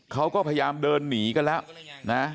เขาก็พยายามเดินหนีกันแล้วนะ